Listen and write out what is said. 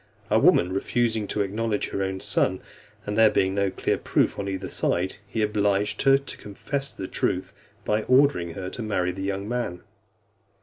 A woman refusing to acknowledge her own son, and there being no clear proof on either side, he obliged her to confess the truth, by ordering her to marry the young man .